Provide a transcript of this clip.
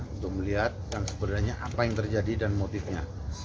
untuk melihat dan sebenarnya apa yang terjadi dan motifnya